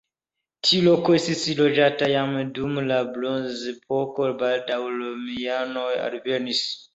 Tiu loko estis loĝata jam dum la bronzepoko, baldaŭe romianoj alvenis.